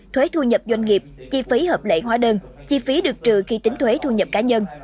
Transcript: thuế thu nhập doanh nghiệp chi phí hợp lệ hóa đơn chi phí được trừ khi tính thuế thu nhập cá nhân